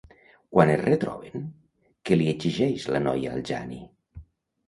Quan es retroben, què li exigeix la noia al Jani?